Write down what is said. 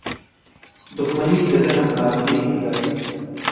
• دښمني د ذهن ناروغي ده.